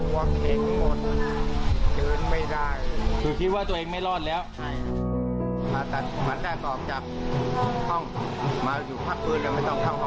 มันจะออกจากห้องมาอยู่ภาพฟื้นแล้วไม่ต้องทำข้อมือ